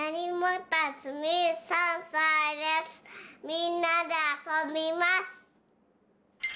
みんなであそびます！